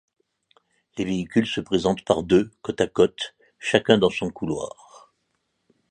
Les véhicules se présentent par deux, côte à côte, chacun dans son couloir.